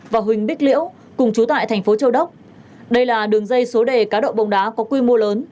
và huỳnh bích liễu cùng chú tại thành phố châu đốc đây là đường dây số đề cá độ bóng đá có quy mô lớn